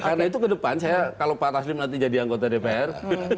karena itu kedepan saya kalau pak taslim nanti jadi anggota dpr